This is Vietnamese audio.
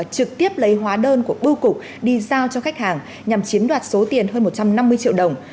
trực tiếp lấy hóa đơn của bưu cục đi giao cho khách hàng nhằm chiếm đoạt số tiền hơn một trăm năm mươi triệu đồng